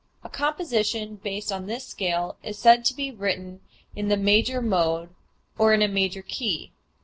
A composition based on this scale is said to be written in the major mode, or in a major key.